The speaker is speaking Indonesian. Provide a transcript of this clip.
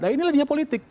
nah ini lagi politik